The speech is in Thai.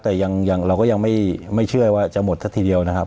แต่เราก็ยังไม่เชื่อว่าจะหมดซะทีเดียวนะครับ